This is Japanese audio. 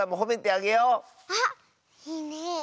あっいいねえ。